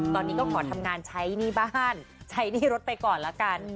ตอนนี้ก็ขอทำงานใช้หนี้บ้านใช้หนี้รถไปก่อนละกัน